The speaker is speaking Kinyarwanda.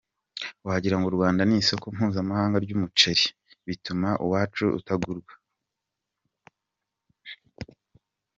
Wagirango u Rwanda ni isoko mpuzamahanga ry’umuceli , bituma uwacu utagurwa’.